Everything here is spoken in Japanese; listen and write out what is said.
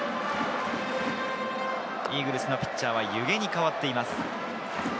イーグルスのピッチャーは弓削に代わっています。